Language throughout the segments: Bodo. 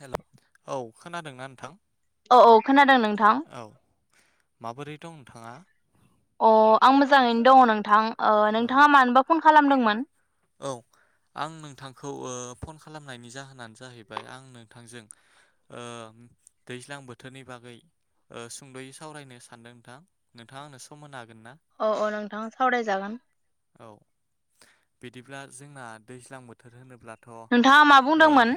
हेल' औ खोनादोंना नोंथां औ औ खोनादों नों औ माबोरै दं नोंथाङा अ आं मोजाङैनो दङ नोंथां ओ औ नोंथाङा मानोबा फन खालामदोंमोन औ आं नोंथांखौ ओ फन खालामनायनि जाहोनानो जाहैबाय आं नोंथांजों ओ दैज्लां बोथोरनि बागै सुंद'यै सावरायनो सानदों नोंथां नोंथाङा आंनो सम होनोहागोन अ औ नोंथाङा सावरायजागोन औ बिदिब्ला जोंना दैज्लां बोथोर होनोब्ला थ नोंथाङा मा ओ बुंदोंमोन?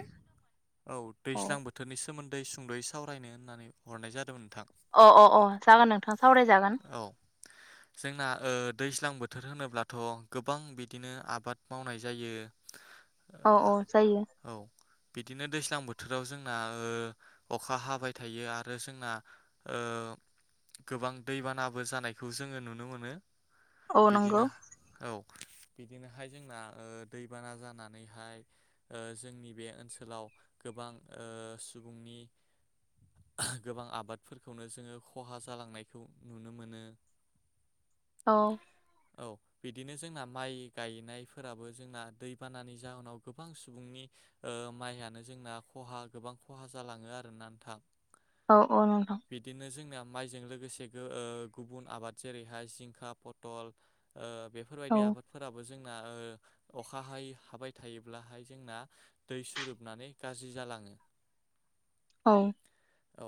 औ दैज्लां बोथोरनि सोमोन्दै दै सुंद'यै सावरायनो होननानै हरनाय जादोंमोन नोंथां अ अ अ जागोन नोंथाङा सावरायजागोन औ जोंना ओ दैज्लां बोथोर होनोब्लाथ' गोबां बिदिनो आबाद मावनाय जायो औ औ जायो औ बिदिनो दैज्लां बोथोराव जोंना ओ अखा हाबाय थायो आरो जोंना ओ गोबां दैबानाबो जानायखौ जोङो नुनो मोनो औ नंगौ बिदिनो औ बिदिनोहाय जोंना दैबाना जानानैहाय जोंनि बे ओनसोलाव गोबां ओ सुबुंनि गोबां आबादफोरखौनो जोङो खहा जालांनायखौ नुनो मोनो [inaudible] औ। औ बिदिनो जोंना माइ गायनायफोराबो जोंना दैबानानि जाहोनाव गोबां सुबुंनि ओ माइयानो जोंना। खहा गोबां खहा जालाङो आरोना नोंथां। औ-औ नोंथां। बिदिनो जोंना माइजों लोगोसे गो-ओ गुबुन आबाद जेरैहाय जिंखा पथल ओ। औ बेफोरबायदि आबाद। जोंना ओ अखा हाय-हाबाय थायोब्लाहाय जोंना दै सुरोबनानै गाज्रि जा जालाङो। औ। औ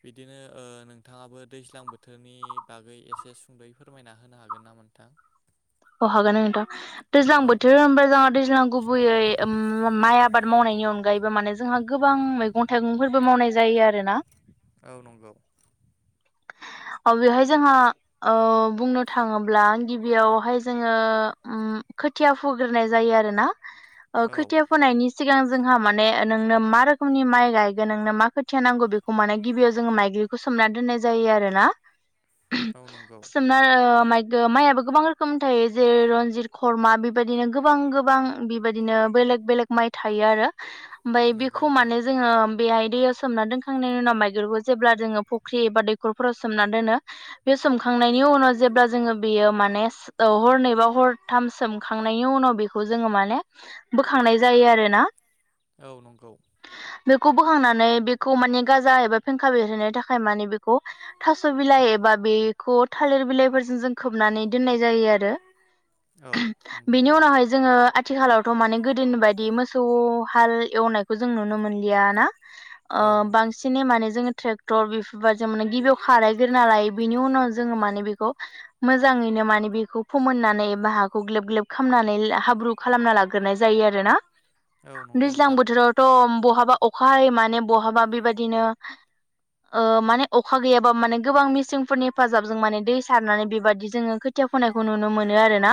बिदिनो ओ नोंथाङाबो दैज्लां बोथोरनि बागै एसे सुंद'यै फोरमायना होनो हागोन ना नोंथां? अ हागोन नोंथां दैज्लां औ बोथोर होमबा जोंहा दैज्लां गुबैयै ओ माइ आबाद मावनायनि अन गायबा माने जोंहा गोबां मैगं थाइगंफोरबो मावनाय जायो आरोना। औ नंगौ। बेवहाय जोंहा ओ बुंनो थाङोब्ला आं गिबियावहाय जोङो उम खोथिया फुग्रोनाय जायो आरोना औ खोथिया फोनायनि सिगां जोंहा माने नोंनो मा रोखोमनि माइ गायगोन नोंनो मा खोथिया नांगौ बेखौ माने गिबियाव जोङो माइ बेखौ सोमना दोननाय जायो आरो ना। औ नंगौ सोमना ओ माइग ओ माइआबो गोबां रोखोम थायो जेरै- रनजित खर्मा बेबायदिनो गोबां-गोबां बेबायदिनो बेलेक-बेलेक माइ थायो आरो। ओमफाय नंगौ बेखौ नोंथां माने जोङो ओ - बेहाय दैयाव सोमना दोनखांनायनि उनाव माइगेरखौ जेब्ला जोङो फुख्रि एबा दैखरफोराव सोमना दोनो बे सोमखांनायनि उनाव जेब्ला जोङो बियो माने औ हरनै बा हरथाम सोमखांनायनि उनाव बेखौ जोङो माने बोखांनाय जायो आरो ना। औ नंगौ। बेखौ बोखांनानै बेखौ माने गाजा एबा फेंखा बेरहोननो थाखाय बेखौ थास' बिलाइ एबा, बेखौ थालिर बिलाइफोरजों जों खोबनानै दोननाय जायो आरो। औ नंगौ बिनि नोंथां उनावहाय जोङो आ थिखालाथ' माने गोदोनि बायदि मोसौ हाल एवनायखौ जों नुनो मोनलियाना? ओ औ नंगौ बांसिनै माने जोंङो ट्रेक्टर बेफोरबायदि माने गिबियाव खारायग्रोना लायो बिनि उनाव जोङो माने बेखौ मोजाङैनो माने बेखौ फोमोननानै एबा, हाखौ ग्लेब-ग्लेब खालामनानै हाब्रु खालामना लाग्रोनाय जायो आरो ना। औ नंगौ दैज्लां नोंथां बोथोरावथ' बहाबा अखा हायो माने बहाबा बेबायदिनो। ओ माने अखा गैयाबा माने गोबां मिसिंनफोरनि हेफाजाबजों माने दै सारनानै बेबादि जोङो खो खोथिया फैनायखौ नुनो मोनो आरो ना।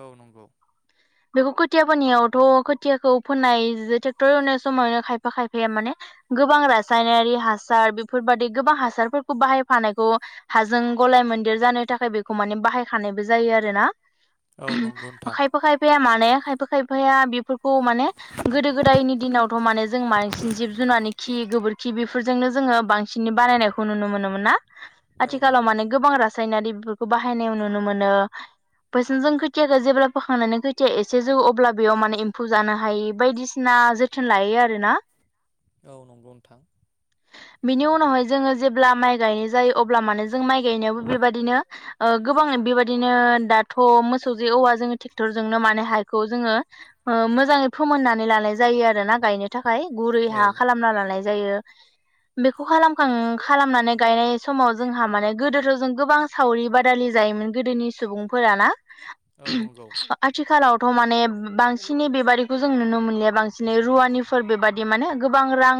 औ नंगौ। बेखौ खोथिया फोनायावथ' खोथियाखौ फोननाय ट्रेक्टर एनाय समावनो खायफा-खायफाया माने गोबां रासायनारि हासार बेफोरबादि गोबां हासारफोरखौ बाहायफानायखौ हाजों गलाय मोनदेर जानो थाखाय बेखौ माने बाहाय खानायबो जायो आरोना औ नंगौ नोंथां खायफा-खायफाया मा नाया खायफा-खायफाया बेफोरखौ माने गोदो-गोदायनि दिनाथ' माने जों बांसिन जिब जुनारनि खि-गोबोरखि बेफोरजोंनो जोङो बांसिनै बानायनायखौ नुनो मोनोमोन ना? औ आथिखालाव नंगौ माने गोबां रासायनारि बेफोरखौ बाहायनायाव नुनो मोनो। बैसनजों खोथियाखौ जेब्ला फोखांनानै खोथिया एसे जौ अब्ला बेयाव माने एम्फौ जानो हायै बायदिसिना ना जोथोन लायो आरो ना। औ नंगौ नोंथां बिनि उनावहाय जोङो जेब ब्ला माइ गायनो जायो अब्ला माने जों माइ गायनायाबो बेबायदिनो ओ गोबाङो बेबायदिनो दाथ' मोसौ जो एवा जोङो ट्रेक्टरजोंनो माने हायखौ जोङो ओ मोजाङै फोमोननानै लानाय जायो आरो ना गायनो थाखाय गुरै औ हा खालामना लानाय जायो। बेखौ खालामखां खालामनानै गायनाय समाव जोंहा माने गोदोथ' जों गोबां सावरि बादि जायोमोन गोदोनि सुबुंफोराना औ नंगौ आथिखालाव थ' माने बांसिनै बेबादिखौ जों नुनो मोनलिया बांसिनै रुवानिफोर बेबादि माने गोबां रां रां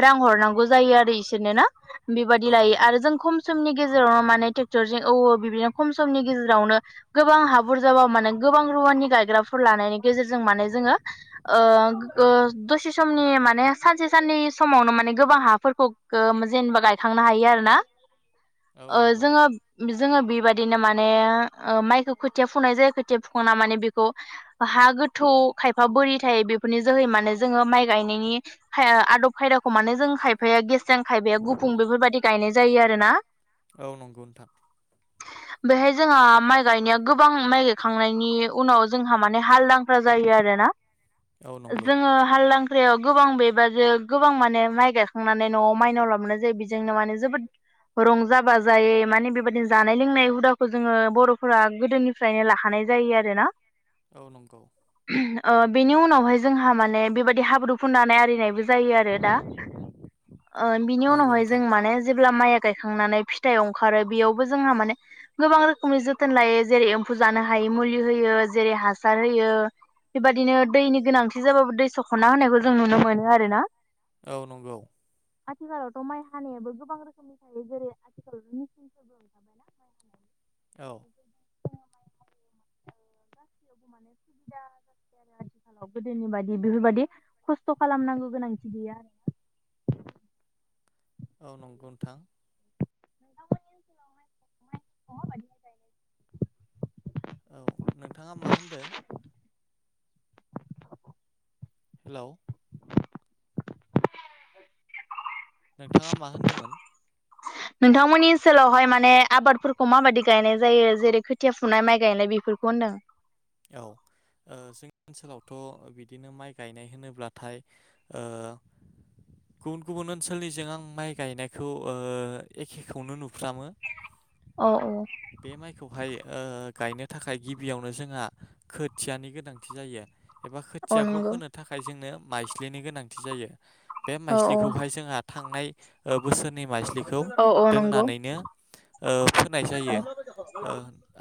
हरनांगौ जायो आरो इसोरनो ना बेबायदि औ लायो नंगौ आरो जों खम समनि गेजेरावनो माने ट्रेक्टरजों बिदिनो खम समनि गेजेरावनो गोबां हा बुरजाबा माने गोबां रुवानि गायग्राफोर लानायनि गेजेराव गेजेर माने जोङो ओ गो दसे समनि माने सानसे सानै समावनो माने गोबां हाफोरखौ जेनेबा गायखांनो हायो आरोना औ ओ नंगौ जोङो जोङो बेबायदिनो माने ओ माइखौ खोथिया फुंनाय जायो खोथिया फुखांना माने बेखौ हा गोथौ खायफा बोरि थायो बेफोरनि जोहै माने जोङो माइ गायनायनि आदब खायदाखौ मान माने जों खायफाया गेसां खायफाया गुफुं बेफोरबायदि गायनाय जायो आरो ना औ नंगौ नोंथां बेहाय जोंहा माइ गायनाया गोबां माइ गायखांनायनि उनाव जोंहा माने हालदांख्रा जायो आरोना औ नंगौ जोङो हालदां ख्रायाव गोबां बेबादि गोबां माने माइ गायखांनानै न'आव माइनाव लाबोनाय जायो बेजोंनो माने जोबोद रंजा बाजायै माने बेबायदिनो जानाय लोंनाय हुदाखौ जोङो बर'फोरा गोदोनिफ्रायनो लाखानाय जायो आरोना औ नंगौ बेनि उनावहाय जोंहा माने बेबायदि हाब्रु फुननानै आरिनायबो जायो आरो दा ओ बिनि नंगौ उनावहाय जों नोंथां माने जे ब्ला माइया गायखांनानै फिथाय ओंखारो बेयावबो जोंहा माने गोबां रोखोमनि जोथोन लायो जेरै एम्फौ जानो हायो मुलि होयो जेरै हार होयो बेबादिनो दैनि गोनांथि जाबाबो दै सख'ना होनायखौ जों नुनो मोनो आरो ना औ नंगौ। आथिखालावथ' माइ हानायाबो गोबां रोखोमनि थायो जेरै आथिखालावथ' मिचेनफोरबो ओंखारबायना माइ हानाया औ हायो गासैयावबो माने सुबिदा जासै आथिखालाव गोदोनि बादि बेफोरबायदि खस्थ' खालामनांगौ गोनांथि गैया आरोना औ नंगौ नोंथां औ नोंथाङा मा होनदो हेलौ [inaudible] नोंथांङा मा होनदोंमोन नोंथांमोननि ओनसोलावहाय माने आबादफोरखौ माबायदि गायनाय जायो जेरै खोथिया फुनाय माइ गायनाय बेफोरखौ होनदों औ ओ जोंनि ओनसोलावथ' बिदिनो माइ गायनाय होनोब्लाथाय ओ गुबुन गुबुन ओनसोलनिजों आं माइ गायनायखौ ओ एखेखौनो नु फ्रामो बे माइखौहाय गायनो थाखाय गिबियावनो जोंहा खोथियानि गोनांथि जायो एबा खोथियाखौ फोनो थाखाय जोंनो माइस्लिनि गोनांथि जायो बे औ माइस्लिखौहाय जोंहा थांनाय ओ बोसोरनै माइस्लिखौ औ नंगौ दोननानैनो ओ फोनाय औ जायो ओ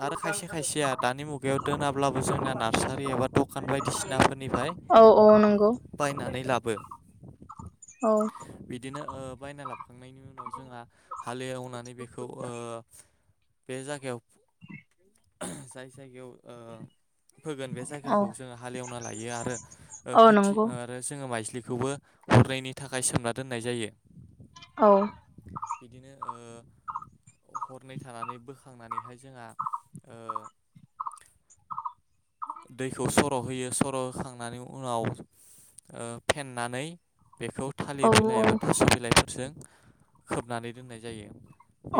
आरो खायसे खायसेया दानि मुगायाव दोना बाबो जोंना नार्सारि एबा दखान बायदिसिनाफोरनिफ्राय औ नंगौ औ औ नंगौ बायनानै लाबो औ बिदिनो ओ बायना लाबोखांनायनि उनाव जोंहा हालेवनानै बेखौ ओ बे जागायाव जाय जायगायाव ओ फोगोन बे औ जायगाखौ जोंङो हालेवना लायो आरो औ खोथि नंगौ आरो जोंङो माइज्लि खौबो हरनैनि थाखाय सोमना दोननाय जायो। औ‌। बिदिनो ओ हरनै थानानै बोखांनानैहाय जोंहा ओ दैखौ सर'होयो सर' होखांनानै उनाव ओ फेननानै बेखौ औ थालिर बिलाइ एबा थास' बिलाइफोरजों खोबनानै दोननाय जायो।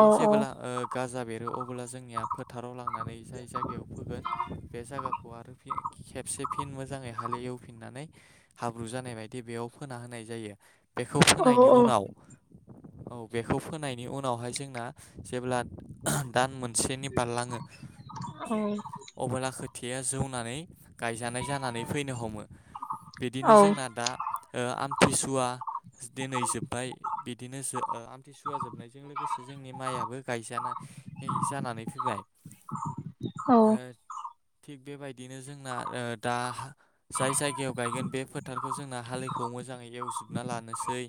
औ जेबोब्ला ओ गाजा बेरो अबोला जोंनिया फोथाराव लां नानै जाय जायगायाव फोगोन बे जायगा खौ आरो फि खेबसे फिन मोजांङै हालेवफिननानै हाब्रु जानाय बायदि बेयाव फोना होनाय जायो। बेखौ औ फोनायनि उनाव औ बेखौ फोनायनि उनावहाय जोंना जेब्ला दान मोनसेनि बारलाङो अबोला खो थियाया जौनानै गायजानाय जानानै फैनो हमो। औ बिदिनो जोंना दा ओ आमथिसुवा दिनै जोबबाय बिदिनो जो आमथिसुवा जोबनायजों लोगोसे जोंनि माइयाबो गायजाना नै जानानै फैबाय औ बिदिनो जोंना ओ दा जाय जायगायाव गायगोन बे फोथारखौ जोंना हालिखौ मोजांङै एव जोबना लानोसै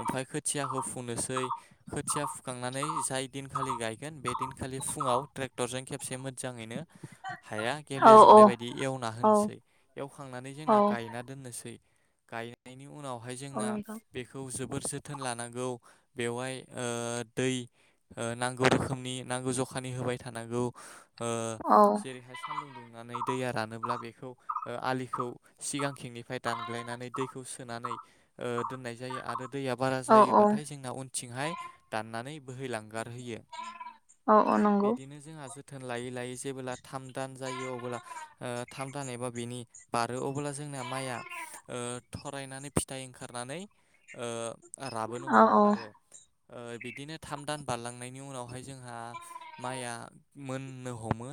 ओमफाय खोथियाखौ फुनोसै खोथिया फुखांनानै जाय दिनखालि गायगोन बे दिनखालि फुङाव ट्रेक्टरजों खेबसे मोजांङैनो हाया गेब्लेजोबनाय बायदि एवना होनोसै औ एवखांनानै औ जोंना गायना दोननोसै गायनायनि उनावहाय औ जोंना नोंथां बेखौ जोब बोर जोथोन लानांगौ बेवहाय ओ दै नांगौ रोखोमनि नांगौ ज खानि होबाय थानांगौ ओ औ जेरै-हासिब सानदुं दुंनानै दैया रानोब्ला बेखौ आलिखौ सिगांथिंनिफ्राय दानग्लायनानै दैखौ होनानै दोननाय जायो आरो दैया बारा औ जायोबाथाय जोंना उनथिंहाय दाननानै बोहैलांगार हैयो औ औ नंगौ बिदिनो जोंहा जोथोन लायै -लायै जेबोलाथाम दान जायो अब्ला ओ थाम दान एबा बिनि बारो अबोब्ला जोंना माइया ओ थरायनानै फिथाइ ओंखारनानै ओ राबोनो औ हमो औ आरो। ओ बिदिनो थाम दान बारलांनायनि उनावहाय जोंहा माइया मोननो हमो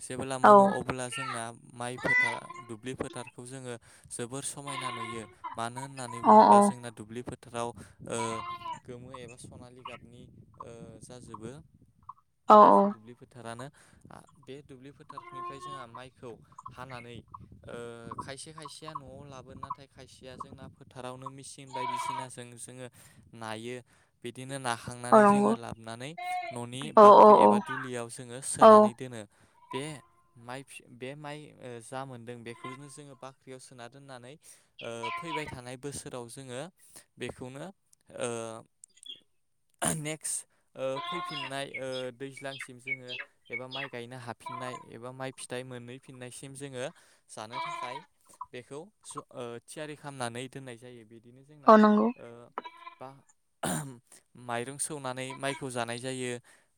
जेब्ला औ मोनो अब्ला जोंना माइ फोथार दुब्लि फोथारखौ जोङो जोबोर समायना नुयो। मानो होननानै औ बुङोब्ला जोंना दुब्लिफोर फोथाराव ओ गोमो एबा सनालि गाबनि जाजोबो। औ गासै दुब्लि फोथारानो बे दुब्लि फोथारनिफ्राय जोंहा माइखौ हानानै खायसे खायसेया न'आव लाबोनानै नाथाय खायसेया जोंना फोथारावनो मिसिन बायदिसिनाजों जोङो नायो बिदिनो औ नाखांनानै नंगौ जोङो लाबोनानै न'नि औ बाख्रि औ एबा दुलियाव जोङो औ सोनानै दोनो। बे माइ बे माइ जा मोन्दों बेखौनो जोङो बाख्रियाव सोना दोननानै ओ फैबाय थानाय बोसोराव जोङो बेखौनो ओ [inaudible] नेक्स्ट फैफिननाय दैज्लांसिम जोङो एबा माइ गायनो हा फिननाय एबा माइ फिथाइ मोनहै फिननायसिम जोङो जानो थाखाय बेखौ ओ थियारि खालामनानै दोननाय जायो बिदिनो जोंना औ नंगौ ओ बा ओहोम माइरं सौनानै माइखौ जानाय जायो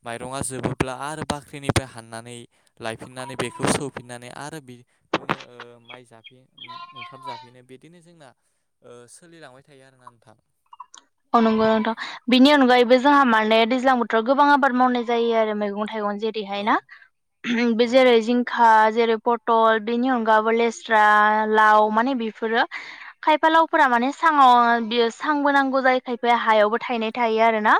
माइरङा जोबोब्ला आरो बाख्रिनिफ्राय हाननानै लायफिननानै बेखौ सौफिननानै आरो बेखौनो माइ जाफिन ओ ओंखाम जाफिन माने बिदिनो जोंना ओ सोलिलांबाय थायो आरोना नोंथां। अ नंगौना नोंथां बिनि अनगायै बो जोंहा माने दैज्लां बोथोराव गोबां आबाद मावनाय जायो आरो मैगं थाइगंनि जेरैहाय औ ना बे नंगौ जेरै जिंखा जेरै पथल बेनि अनगाबो लेस्रा लाव माने बेफोरो खायफा लावफोरा माने साङाव बियो सांबो नांगौ जायो। खायफाया हायावबो थायनाय थायो आरोना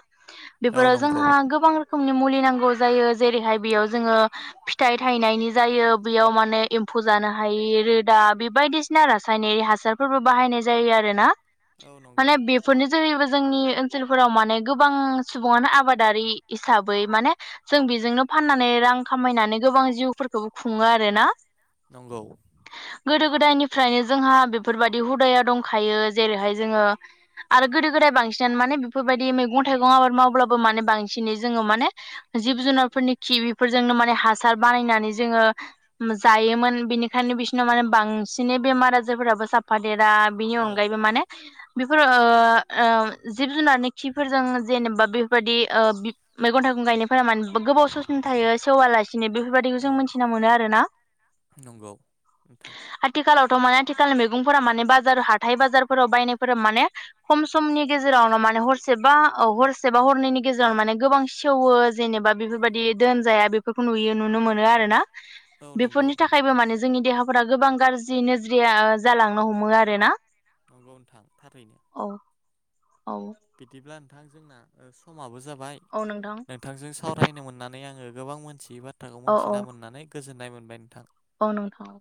औ बेफोराव नंगौ जोंहा गोबां रोखोमनि मुलि नांगौ जायो जेरैहाय बेयाव जोङो फिथाइ थायनायनि जायो बेयाव माने एम्फौ जानोहायि रोदा बेबायदिसिना रासायनारि हासारफोरबो बाहायनाय जायो आरोना। औ नंगौ माने बेफोरनि जोंनि ओनसोलफोराव माने गोबां सुबुङानो आबादारि हिसाबै माने जों बे जोंनो फाननानै रां खामायनानै गोबां जिउफोरखौबो खुङो आरो ना। नंगौ गोदो नोंथां गोदायनिफ्रायनो जोंहा बेफोरबायदि हुदाया दंखायो जेरैहाय जोङो आरो गोदो गोदाय बांसिनानो माने बेफोरबायदि मैगं थाइगं आबाद मावब्लाबो माने बांसिनै जोङो माने जिब जुनारफोरनि खिबिफोरजोंनो माने हासार बानायनानै जोङो जायोमोन बिनिखायनो बि दिनो माने बांसिनै बेमार आजारफोराबो जाफादेरा बिनि औ अनगायैबो माने बेफोर [inaudible] ओ जिब जुनारनि खिफोरजों जेनेबा बेफोरबायदि ओ बि मैगं थाइगं गायनायफोरा मान गोबाव समसिमथायो सेवालासिनो बेफोरबायाददिखौ जों मिथिना मोनो आरोना। औ नंगौ नोंथां थ' माने आथिखालनि मैगंफोरा माने बाजार हाथाय बाजारफोराव बायनायफोरा माने खम समनि गेजेरावनो माने हरसेबा अ हरसेबा हरनैनि गेजेरावनो मानो गोबां सेवो जेनेबा बेफोरबायदि दोनजाया बेफोरखौ नुयो। नुनो मोनो आरोना औ नंगौ बेफोरनि थाखायबो माने जोंनि देहा फोरा गोबां गाज्रि नोज्रिया जालांनो हमो आरो ना। नंगौ नोंथां थारै औ बिदिब्ला नोंथां जोंना ओ समाबो जाबाय औ नोंथां नोंथांजों सावरायनो मोननानै आंङो गोबां मोनथियै बाथ्राखौ मोनथिना मोननानै गोजोननाय मोनबाय नोंथां। अ नोंथां औ